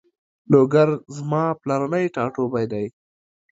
لوګر زما پلرنی ټاټوبی ده